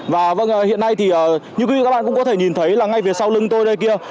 và hiện nay thì như quý vị các bạn cũng có thể nhìn thấy là ngay phía sau lưng tôi đây kia